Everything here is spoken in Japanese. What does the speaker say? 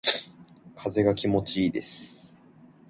風が気持ちいいです。